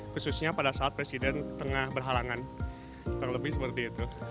khususnya pada saat presiden tengah berhalangan terlebih seperti itu